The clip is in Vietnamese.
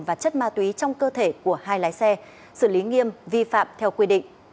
và chất ma túy trong cơ thể của hai lái xe xử lý nghiêm vi phạm theo quy định